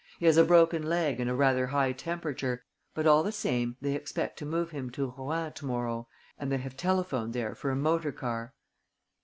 He has a broken leg and a rather high temperature; but all the same they expect to move him to Rouen to morrow and they have telephoned there for a motor car."